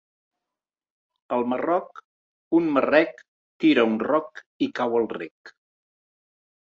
Al Marroc un marrec tira un roc i cau al rec